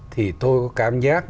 thì tôi có cảm giác